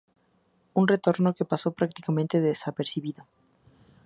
Un retorno que pasó prácticamente desapercibido.